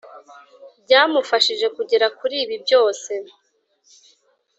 ryamufashije kugera kuri ibi byose